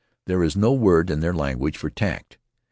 There is no word in their language for tact.